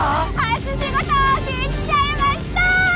初仕事来っちゃいました！